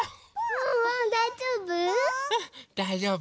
ワンワンだいじょうぶ？